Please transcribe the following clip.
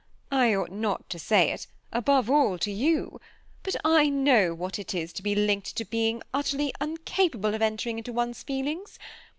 I ought not to say it, above all to you, but I know what it is to be linked to a being utterly incapable of entering into one's feelings.